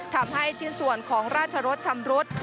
ทำให้ชิ้นส่วนของราชรสชำรุด